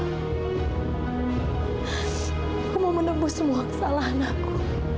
aku mau menembus semua kesalahan aku